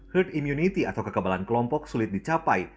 herd immunity atau kekebalan kelompok sulit dicapai